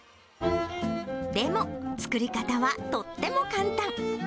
でも、作り方はとっても簡単。